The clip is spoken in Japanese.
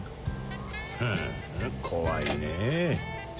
ふん怖いねぇ。